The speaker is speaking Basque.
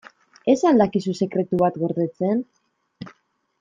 Ez al dakizu sekretu bat gordetzen?